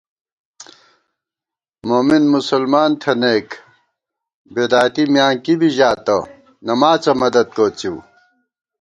مومِن مسلمان تھنَئیک، بدعتی میاں کِبی ژاتہ، نماڅہ مدد کوڅِیؤ